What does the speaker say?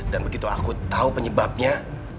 dan begitu aku tahu penyebabnya